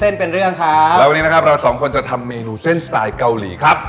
อยากให้ไหมนะครับเรา๒คนจะทำเมนูเส้นสไตล์เกาหลีครับ